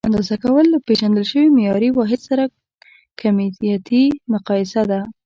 اندازه کول له پیژندل شوي معیاري واحد سره کمیتي مقایسه ده.